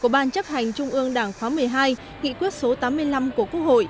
ban chấp hành trung ương đảng khóa một mươi hai nghị quyết số tám mươi năm của quốc hội